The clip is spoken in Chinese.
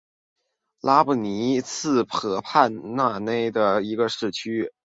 拉布尼茨河畔曼内尔斯多夫是奥地利布尔根兰州上普伦多夫县的一个市镇。